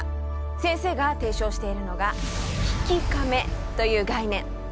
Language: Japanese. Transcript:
先生が提唱しているのが「悲喜カメ」という概念。